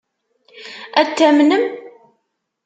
Ad t-tamnem?